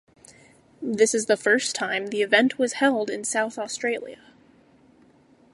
This is the first time the event was held in South Australia.